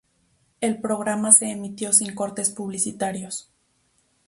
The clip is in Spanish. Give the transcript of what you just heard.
El programa se emitió sin cortes publicitarios.